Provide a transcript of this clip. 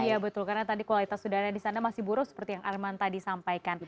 iya betul karena tadi kualitas udara di sana masih buruk seperti yang arman tadi sampaikan